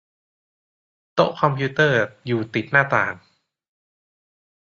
โต๊ะคอมพิวเตอร์อยู่ติดหน้าต่าง